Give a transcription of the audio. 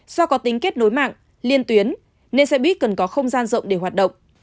do có tính kết nối mạng liên tuyến nên xe buýt cần có không gian rộng để hoạt động